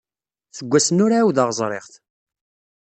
Seg wass-nni ur ɛawdeɣ ẓriɣ-t.